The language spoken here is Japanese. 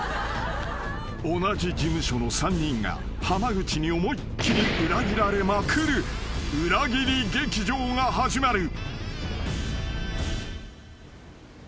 ［同じ事務所の３人が濱口に思いっ切り裏切られまくる裏切り劇場が始まる］